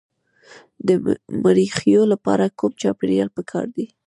د مرخیړیو لپاره کوم چاپیریال پکار دی؟